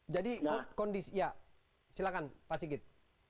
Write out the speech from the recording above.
jadi kondisi ya silakan pak sigit